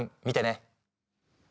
見てね。